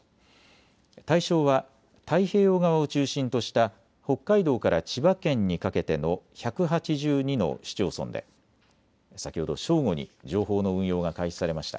対象は太平洋側を中心とした北海道から千葉県にかけての１８２の市町村で先ほど正午に情報の運用が開始されました。